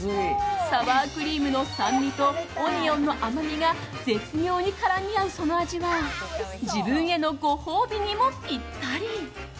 サワークリームの酸味とオニオンの甘みが絶妙に絡み合うその味は自分へのご褒美にもぴったり。